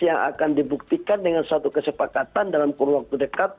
yang akan dibuktikan dengan satu kesepakatan dalam kurun waktu dekat